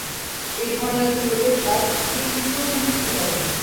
এই ধরনের এক জন লোকের তাঁর কাছে কী প্রয়োজন থাকতে পারে?